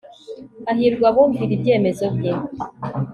hahirwa abumvira ibyemezo bye